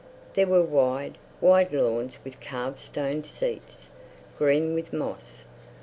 There were wide, wide lawns with carved stone seats, green with moss.